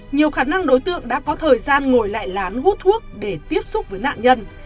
nhiều khả năng đối tượng đã có thời gian ngồi lại lán hút thuốc để tiếp xúc với nạn nhân